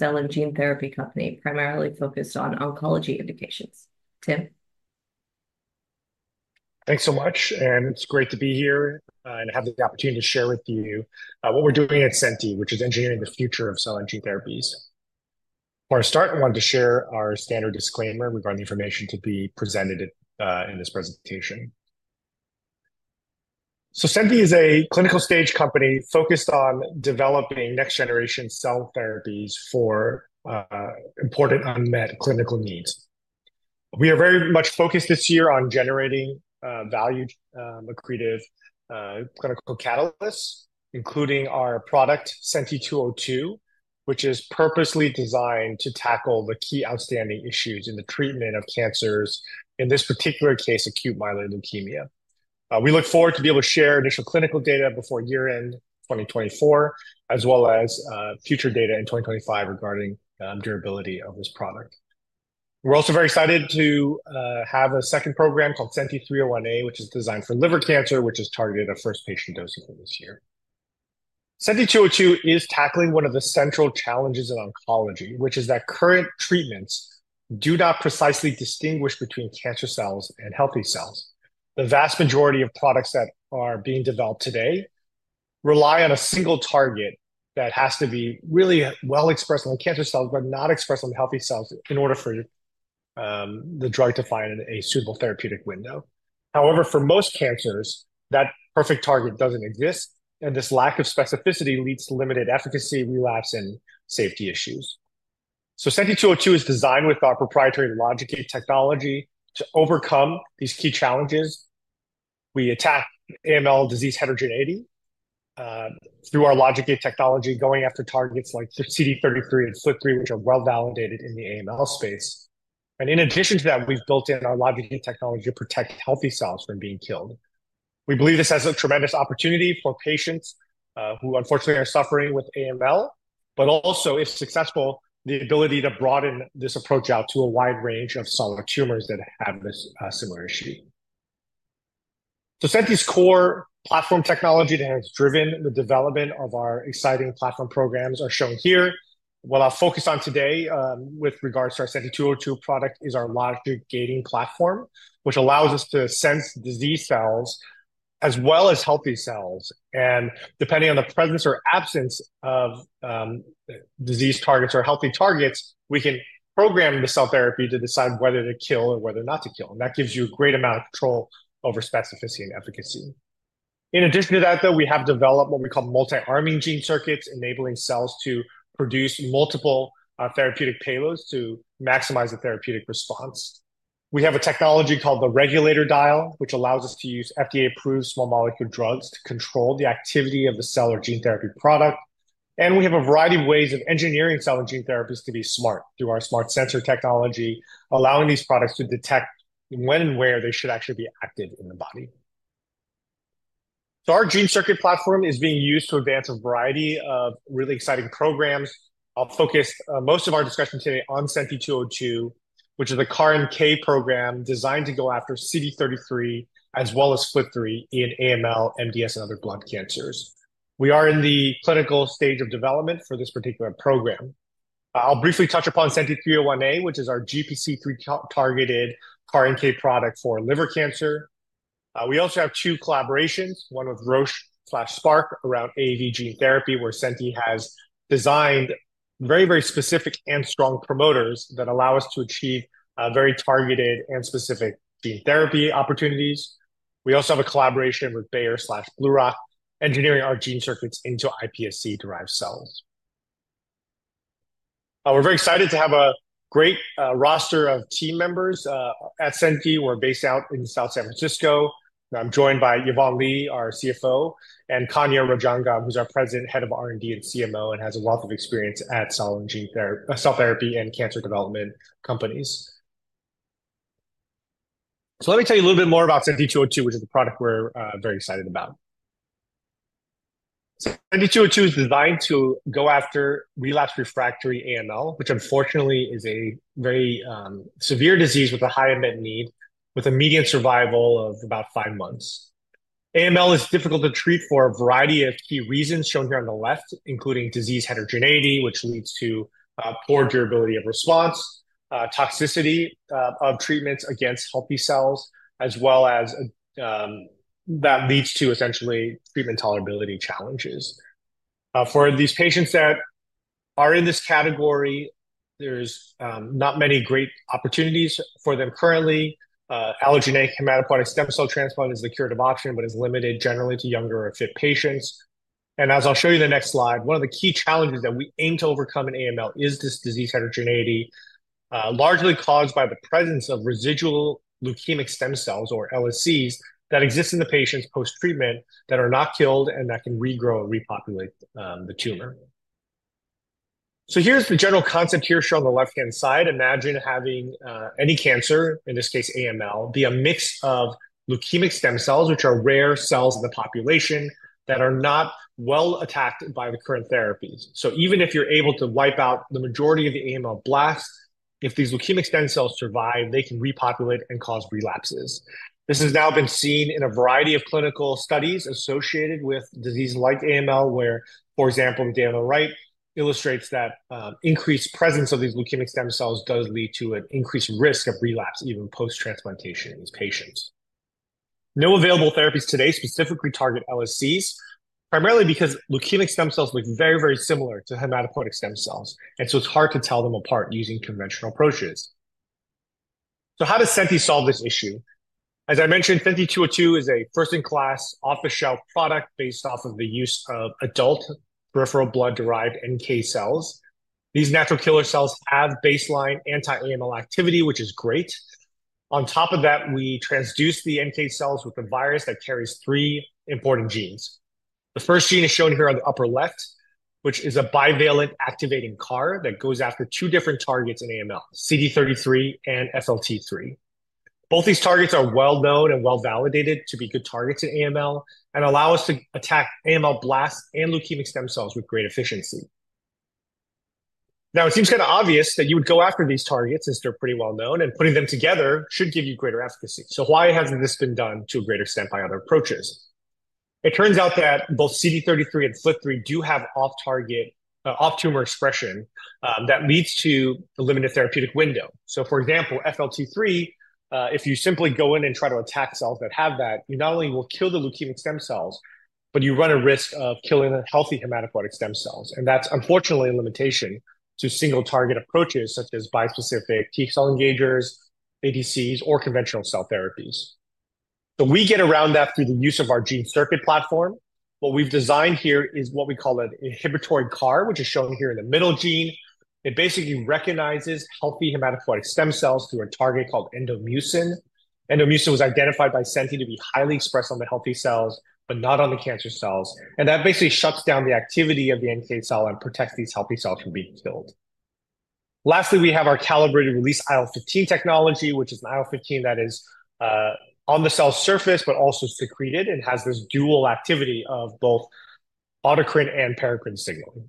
Cell and gene therapy company primarily focused on oncology indications. Tim? Thanks so much, and it's great to be here and have the opportunity to share with you what we're doing at Senti, which is engineering the future of cell and gene therapies. For a start, I wanted to share our standard disclaimer regarding the information to be presented in this presentation. So Senti is a clinical stage company focused on developing next generation cell therapies for important unmet clinical needs. We are very much focused this year on generating valued, accretive clinical catalysts, including our product, SENTI-202, which is purposely designed to tackle the key outstanding issues in the treatment of cancers, in this particular case, Acute Myeloid Leukemia. We look forward to be able to share initial clinical data before year-end 2024, as well as future data in 2025 regarding durability of this product. We're also very excited to have a second program called SENTI-301A, which is designed for liver cancer, which is targeted at first patient dosing for this year. SENTI-202 is tackling one of the central challenges in oncology, which is that current treatments do not precisely distinguish between cancer cells and healthy cells. The vast majority of products that are being developed today rely on a single target that has to be really well expressed on cancer cells, but not expressed on healthy cells in order for the drug to find a suitable therapeutic window. However, for most cancers, that perfect target doesn't exist, and this lack of specificity leads to limited efficacy, relapse, and safety issues, so SENTI-202 is designed with our proprietary Logic Gate technology to overcome these key challenges. We attack AML disease heterogeneity through our Logic Gate technology, going after targets like CD33 and FLT3, which are well-validated in the AML space. And in addition to that, we've built in our Logic Gate technology to protect healthy cells from being killed. We believe this has a tremendous opportunity for patients who unfortunately are suffering with AML, but also, if successful, the ability to broaden this approach out to a wide range of solid tumors that have this similar issue. So Senti's core platform technology that has driven the development of our exciting platform programs are shown here. What I'll focus on today, with regards to our SENTI-202 product, is our Logic Gating platform, which allows us to sense disease cells as well as healthy cells, and depending on the presence or absence of disease targets or healthy targets, we can program the cell therapy to decide whether to kill or whether not to kill, and that gives you a great amount of control over specificity and efficacy. In addition to that, though, we have developed what we call multi-arming gene circuits, enabling cells to produce multiple therapeutic payloads to maximize the therapeutic response. We have a technology called the Regulator Dial, which allows us to use FDA-approved small molecule drugs to control the activity of the cell or gene therapy product. And we have a variety of ways of engineering cell and gene therapies to be smart through our Smart Sensor technology, allowing these products to detect when and where they should actually be active in the body. So our Gene Circuit platform is being used to advance a variety of really exciting programs. I'll focus most of our discussion today on SENTI-202, which is a CAR-NK program designed to go after CD33, as well as FLT3 in AML, MDS, and other blood cancers. We are in the clinical stage of development for this particular program. I'll briefly touch upon SENTI-301A, which is our GPC3-targeted CAR-NK product for liver cancer. We also have two collaborations, one with Roche/Spark around AAV gene therapy, where Senti has designed very, very specific and strong promoters that allow us to achieve very targeted and specific gene therapy opportunities. We also have a collaboration with Bayer/BlueRock, engineering our gene circuits into iPSC-derived cells. We're very excited to have a great roster of team members at Senti. We're based out in South San Francisco. I'm joined by Yvonne Li, our CFO, and Kanya Rajangam, who's our President, Head of R&D and CMO, and has a wealth of experience at cell and gene therapy and cancer development companies. So let me tell you a little bit more about SENTI-202, which is the product we're very excited about. SENTI-202 is designed to go after relapse refractory AML, which unfortunately is a very severe disease with a high unmet need, with a median survival of about five months. AML is difficult to treat for a variety of key reasons shown here on the left, including disease heterogeneity, which leads to poor durability of response, toxicity of treatments against healthy cells, as well as that leads to essentially treatment tolerability challenges. For these patients that are in this category, there's not many great opportunities for them currently allogeneic hematopoietic stem cell transplant is the curative option, but is limited generally to younger or fit patients. And as I'll show you the next slide, one of the key challenges that we aim to overcome in AML is this disease heterogeneity, largely caused by the presence of residual leukemic stem cells, or LSCs, that exist in the patients post-treatment that are not killed and that can regrow and repopulate the tumor. So here's the general concept here. Shown on the left-hand side, imagine having any cancer, in this case AML, be a mix of leukemic stem cells, which are rare cells in the population that are not well attacked by the current therapies. So even if you're able to wipe out the majority of the AML blasts, if these leukemic stem cells survive, they can repopulate and cause relapses. This has now been seen in a variety of clinical studies associated with diseases like AML, where, for example, Dana-Farber illustrates that increased presence of these leukemic stem cells does lead to an increased risk of relapse, even post-transplantation in these patients. No available therapies today specifically target LSCs, primarily because leukemic stem cells look very, very similar to hematopoietic stem cells, and so it's hard to tell them apart using conventional approaches. So how does Senti solve this issue? As I mentioned, SENTI-202 is a first-in-class, off-the-shelf product based off of the use of adult peripheral blood-derived NK cells. These natural killer cells have baseline anti-AML activity, which is great. On top of that, we transduce the NK cells with a virus that carries three important genes. The first gene is shown here on the upper left, which is a bivalent activating CAR that goes after two different targets in AML, CD33 and FLT3. Both these targets are well known and well validated to be good targets in AML and allow us to attack AML blasts and leukemic stem cells with great efficiency. Now, it seems obvious that you would go after these targets since they're pretty well known, and putting them together should give you greater efficacy. So why hasn't this been done to a greater extent by other approaches? It turns out that both CD33 and FLT3 do have off-target, off-tumor expression, that leads to the limited therapeutic window. So, for example, FLT3, if you simply go in and try to attack cells that have that, you not only will kill the leukemic stem cells, but you run a risk of killing the healthy hematopoietic stem cells. And that's unfortunately a limitation to single target approaches such as bispecific T-cell engagers, ADCs, or conventional cell therapies. So we get around that through the use of our gene circuit platform. What we've designed here is what we call an inhibitory CAR, which is shown here in the middle gene. It basically recognizes healthy hematopoietic stem cells through a target called endomucin. Endomucin was identified by Senti to be highly expressed on the healthy cells, but not on the cancer cells, and that basically shuts down the activity of the NK cell and protects these healthy cells from being killed. Lastly, we have our Calibrated Release IL-15 technology, which is an IL-15 that is on the cell surface, but also secreted and has this dual activity of both autocrine and paracrine signaling.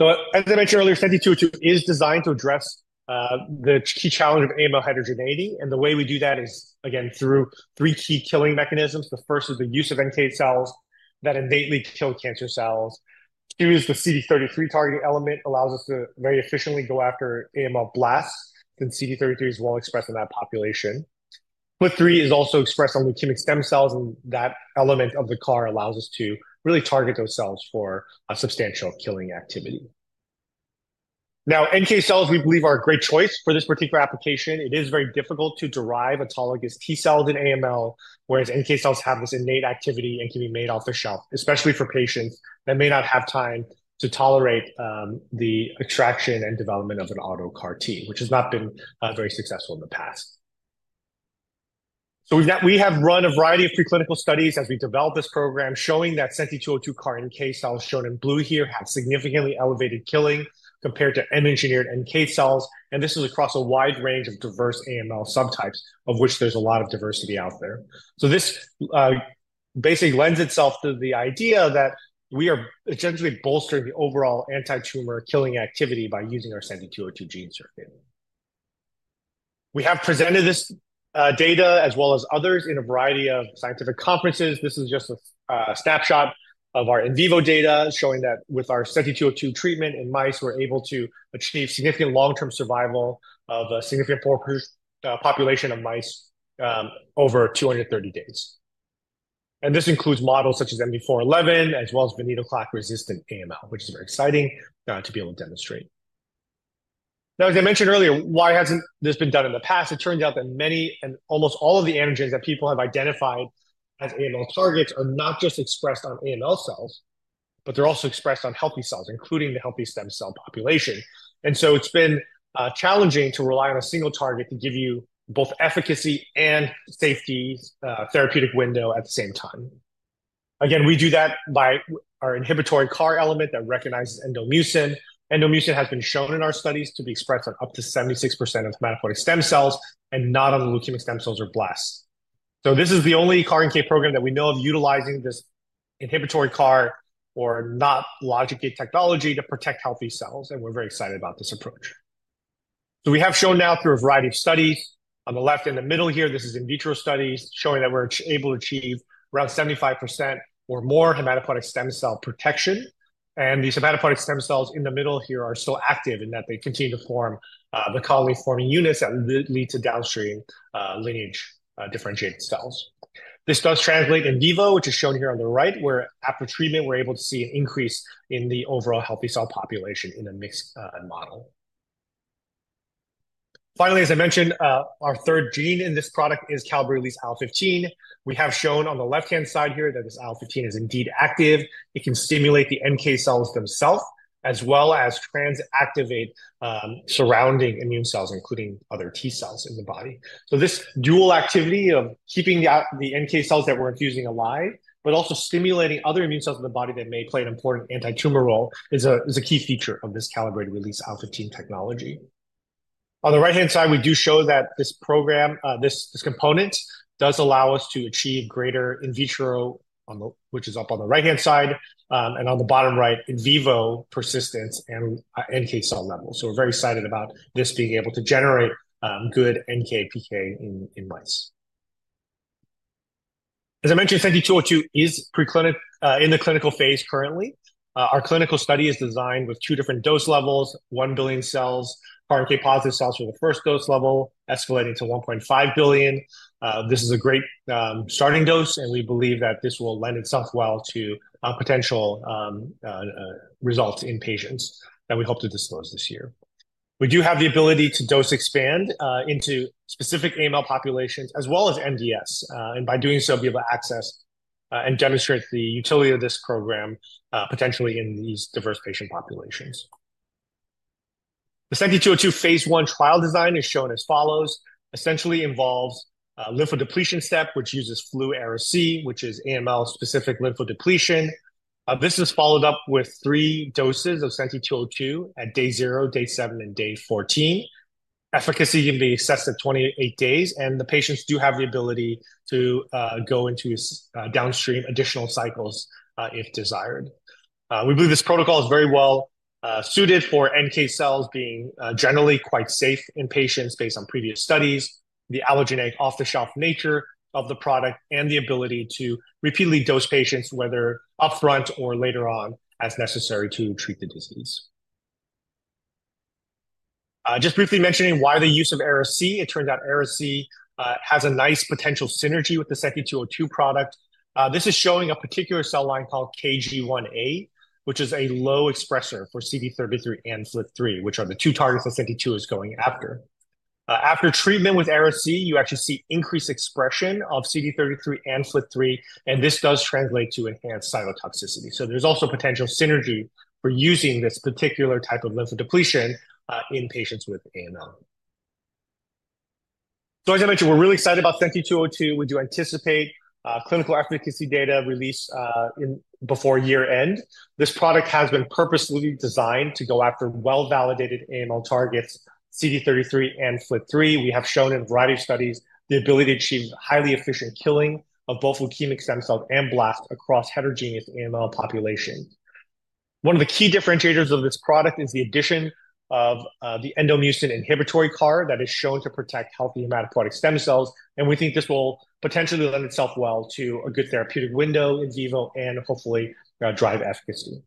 As I mentioned earlier, SENTI-202 is designed to address the key challenge of AML heterogeneity, and the way we do that is, again, through three key killing mechanisms. The first is the use of NK cells that innately kill cancer cells. Two is the CD33 targeting element allows us to very efficiently go after AML blasts, since CD33 is well expressed in that population. FLT3 is also expressed on leukemic stem cells, and that element of the CAR allows us to really target those cells for a substantial killing activity. Now, NK cells, we believe, are a great choice for this particular application. It is very difficult to derive autologous T-cells in AML, whereas NK cells have this innate activity and can be made off the shelf, especially for patients that may not have time to tolerate the extraction and development of an auto CAR T, which has not been very successful in the past. So we have run a variety of preclinical studies as we develop this program, showing that SENTI-202 CAR NK cells, shown in blue here, have significantly elevated killing compared to non-engineered NK cells, and this is across a wide range of diverse AML subtypes, of which there's a lot of diversity out there. This basically lends itself to the idea that we are essentially bolstering the overall anti-tumor killing activity by using our SENTI-202 gene circuit. We have presented this data, as well as others, in a variety of scientific conferences. This is just a snapshot of our in vivo data showing that with our SENTI-202 treatment in mice, we're able to achieve significant long-term survival of a significant poor population of mice over 230 days. And this includes models such as MV4-11, as well as venetoclax-resistant AML, which is very exciting to be able to demonstrate. Now, as I mentioned earlier, why hasn't this been done in the past? It turns out that many and almost all of the antigens that people have identified as AML targets are not just expressed on AML cells, but they're also expressed on healthy cells, including the healthy stem cell population. And so it's been challenging to rely on a single target to give you both efficacy and safety, therapeutic window at the same time. Again, we do that by our inhibitory CAR element that recognizes endomucin. Endomucin has been shown in our studies to be expressed on up to 76% of hematopoietic stem cells and not on the leukemic stem cells or blasts. So this is the only CAR NK program that we know of utilizing this inhibitory CAR or NOT Logic Gate technology to protect healthy cells, and we're very excited about this approach. We have shown now through a variety of studies on the left and the middle here. This is in vitro studies, showing that we're able to achieve around 75% or more hematopoietic stem cell protection. These hematopoietic stem cells in the middle here are so active in that they continue to form the colony-forming units that lead to downstream lineage differentiated cells. This does translate in vivo, which is shown here on the right, where after treatment, we're able to see an increase in the overall healthy cell population in a mixed model. Finally, as I mentioned, our third gene in this product is Calibrated Release IL-15. We have shown on the left-hand side here that this IL-15 is indeed active. It can stimulate the NK cells themselves, as well as transactivate surrounding immune cells, including other T cells in the body. So this dual activity of keeping the NK cells that we're infusing alive, but also stimulating other immune cells in the body that may play an important anti-tumor role, is a key feature of this Calibrated Release IL-15 technology. On the right-hand side, we do show that this program, this component does allow us to achieve greater in vitro which is up on the right-hand side, and on the bottom right, in vivo persistence and NK cell levels. So we're very excited about this being able to generate good NK PK in mice. As I mentioned, SENTI-202 is in the clinical phase currently. Our clinical study is designed with two different dose levels, one billion CAR NK-positive cells for the first dose level, escalating to one point five billion. This is a great starting dose, and we believe that this will lend itself well to potential results in patients that we hope to disclose this year. We do have the ability to dose expand into specific AML populations, as well as MDS, and by doing so, be able to access and demonstrate the utility of this program potentially in these diverse patient populations. The SENTI-202 phase 1 trial design is shown as follows, essentially involves a lymphodepletion step, which uses Flu/Ara-C, which is AML-specific lymphodepletion. This is followed up with three doses of SENTI-202 at Day zero, Day seven, and Day fourteen. Efficacy can be assessed at 28 days, and the patients do have the ability to go into downstream additional cycles, if desired. We believe this protocol is very well suited for NK cells being generally quite safe in patients based on previous studies, the allogeneic off-the-shelf nature of the product, and the ability to repeatedly dose patients, whether upfront or later on, as necessary to treat the disease. Just briefly mentioning why the use of Ara-C. It turns out Ara-C has a nice potential synergy with the SENTI-202 product. This is showing a particular cell line called KG1A, which is a low expressor for CD33 and FLT3, which are the two targets the SENTI-202 is going after. After treatment with Ara-C, you actually see increased expression of CD33 and FLT3, and this does translate to enhanced cytotoxicity. So there's also potential synergy for using this particular type of lymphodepletion in patients with AML. So as I mentioned, we're really excited about SENTI-202. We do anticipate clinical efficacy data release in before year end. This product has been purposefully designed to go after well-validated AML targets, CD33 and FLT3. We have shown in a variety of studies the ability to achieve highly efficient killing of both leukemic stem cell and blast across heterogeneous AML population. One of the key differentiators of this product is the addition of the endomucin inhibitory CAR that is shown to protect healthy hematopoietic stem cells, and we think this will potentially lend itself well to a good therapeutic window in vivo and hopefully drive efficacy.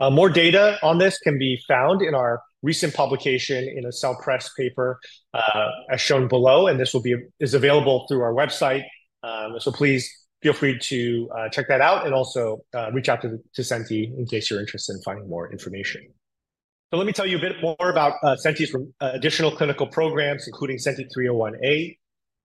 More data on this can be found in our recent publication in a Cell Press paper, as shown below, and this will be-- is available through our website. So please feel free to check that out and also reach out to Senti in case you're interested in finding more information. So let me tell you a bit more about Senti's additional clinical programs, including SENTI-301A.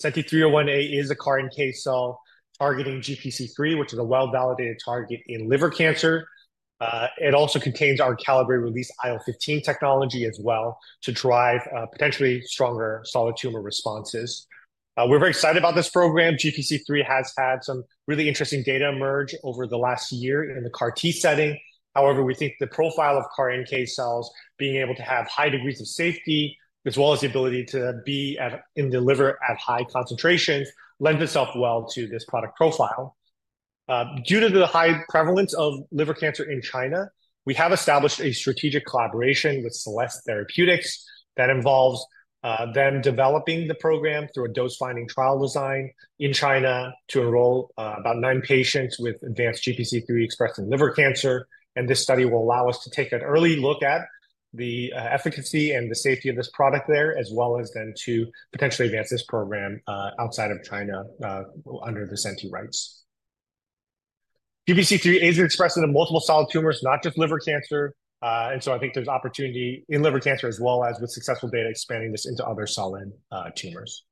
SENTI-301A is a CAR NK cell targeting GPC3, which is a well-validated target in liver cancer. It also contains our Calibrated Release IL-15 technology as well to drive potentially stronger solid tumor responses. We're very excited about this program. GPC3 has had some really interesting data emerge over the last year in the CAR T setting. However, we think the profile of CAR NK cells being able to have high degrees of safety, as well as the ability to be at, in the liver at high concentrations, lends itself well to this product profile. Due to the high prevalence of liver cancer in China, we have established a strategic collaboration with Celest Therapeutics that involves them developing the program through a dose-finding trial design in China to enroll about nine patients with advanced GPC3 expressed in liver cancer. And this study will allow us to take an early look at the efficacy and the safety of this product there, as well as then to potentially advance this program outside of China under the Senti rights. GPC3 is expressed in multiple solid tumors, not just liver cancer, and so I think there's opportunity in liver cancer as well as with successful data expanding this into other solid tumors.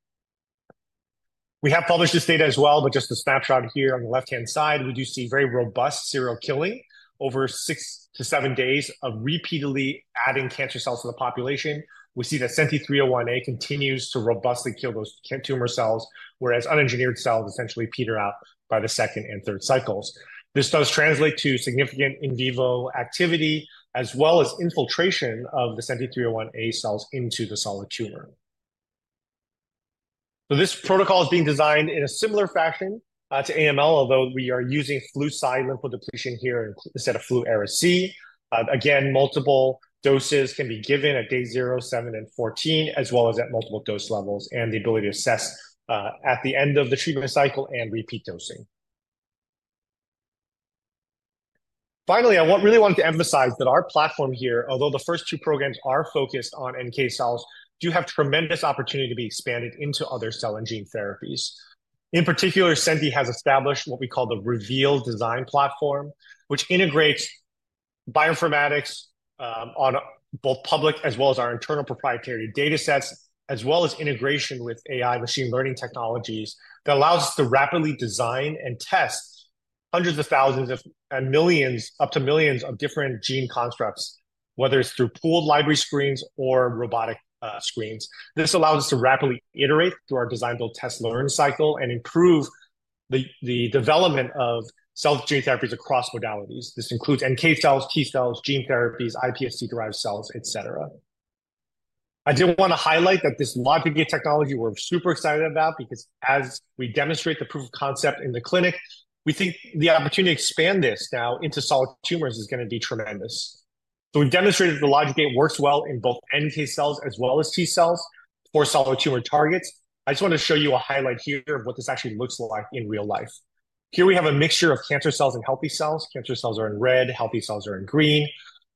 We have published this data as well, but just a snapshot here on the left-hand side, we do see very robust serial killing over six to seven days of repeatedly adding cancer cells to the population. We see that SENTI-301A continues to robustly kill those tumor cells, whereas unengineered cells essentially peter out by the second and third cycles. This does translate to significant in vivo activity, as well as infiltration of the SENTI-301A cells into the solid tumor. This protocol is being designed in a similar fashion to AML, although we are using Flu/Cy lymphodepletion here instead of Flu/Ara-C. Again, multiple doses can be given at Day zero, seven, and fourteen, as well as at multiple dose levels, and the ability to assess at the end of the treatment cycle and repeat dosing. Finally, I really want to emphasize that our platform here, although the first two programs are focused on NK cells, do have tremendous opportunity to be expanded into other cell and gene therapies. In particular, Senti has established what we call the Reveal Design Platform, which integrates bioinformatics on both public as well as our internal proprietary datasets, as well as integration with AI machine learning technologies that allows us to rapidly design and test hundreds of thousands of, and millions, up to millions of different gene constructs, whether it's through pooled library screens or robotic screens. This allows us to rapidly iterate through our design, build, test, learn cycle and improve the development of cell and gene therapies across modalities. This includes NK cells, T cells, gene therapies, iPSC-derived cells, et cetera. I did wanna highlight that this Logic Gate technology, we're super excited about, because as we demonstrate the proof of concept in the clinic, we think the opportunity to expand this now into solid tumors is gonna be tremendous, so we've demonstrated the Logic Gate works well in both NK cells as well as T cells for solid tumor targets. I just wanna show you a highlight here of what this actually looks like in real life. Here we have a mixture of cancer cells and healthy cells. Cancer cells are in red, healthy cells are in green.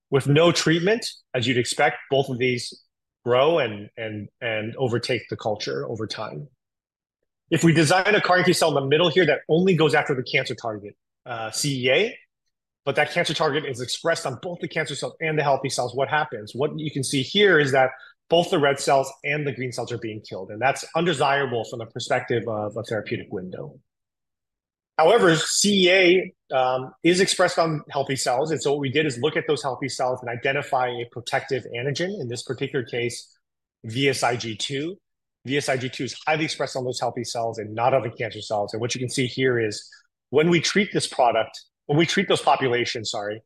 With no treatment, as you'd expect, both of these grow and overtake the culture over time. If we design a CAR NK cell in the middle here that only goes after the cancer target, CEA, but that cancer target is expressed on both the cancer cells and the healthy cells, what happens? What you can see here is that both the red cells and the green cells are being killed, and that's undesirable from the perspective of a therapeutic window. However, CEA is expressed on healthy cells, and so what we did is look at those healthy cells and identify a protective antigen, in this particular case, VSIG2. VSIG2 is highly expressed on those healthy cells and not on the cancer cells. What you can see here is, when we treat those populations, sorry,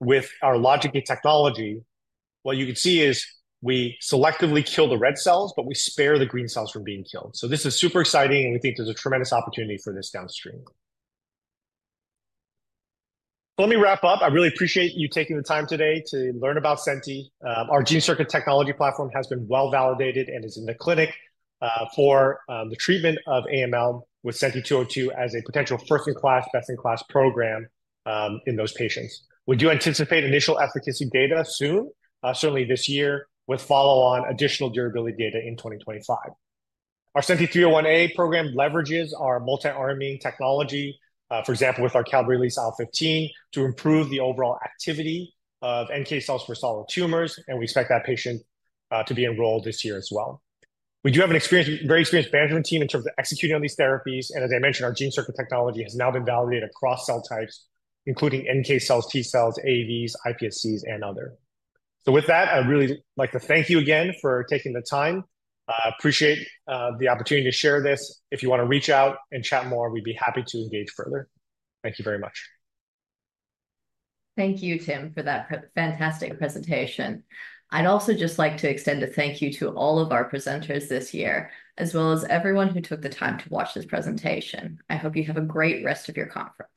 with our Logic Gate technology, what you can see is we selectively kill the red cells, but we spare the green cells from being killed. This is super exciting, and we think there's a tremendous opportunity for this downstream. Let me wrap up. I really appreciate you taking the time today to learn about Senti. Our gene circuit technology platform has been well-validated and is in the clinic for the treatment of AML, with SENTI-202 as a potential first-in-class, best-in-class program in those patients. We do anticipate initial efficacy data soon, certainly this year, with follow-on additional durability data in 2025 Our SENTI-301A program leverages our multi-arming technology, for example, with our Calibrated Release IL-15, to improve the overall activity of NK cells for solid tumors, and we expect that patients to be enrolled this year as well. We do have an experienced, very experienced management team in terms of executing on these therapies, and as I mentioned, our gene circuit technology has now been validated across cell types, including NK cells, T cells, AAVs, iPSCs, and other. So with that, I'd really like to thank you again for taking the time. Appreciate the opportunity to share this. If you wanna reach out and chat more, we'd be happy to engage further. Thank you very much. Thank you, Tim, for that fantastic presentation. I'd also just like to extend a thank you to all of our presenters this year, as well as everyone who took the time to watch this presentation. I hope you have a great rest of your conference.